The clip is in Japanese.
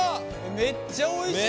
めっちゃおいしそう。